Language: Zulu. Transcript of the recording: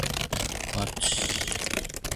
Lo mehluko okhona wezifundazwe kumele ubhekelwe.